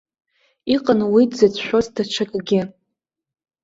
Иҟан уи дзыцәшәоз даҽакгьы.